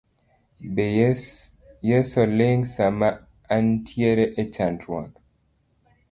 Be Yeso ling sama antiere e chandruok.